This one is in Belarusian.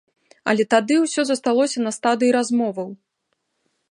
Але тады ўсё засталося на стадыі размоваў.